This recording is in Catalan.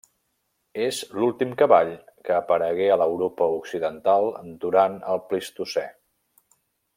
És l'últim cavall que aparegué a l'Europa Occidental durant el Plistocè.